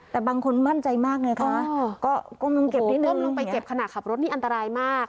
แต่บางคนมั่นใจมากเลยค่ะก้มลงไปเก็บขนาดขับรถนี่อันตรายมาก